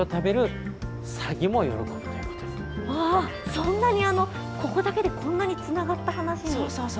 そんなに、ここだけでこんなにつながった話に。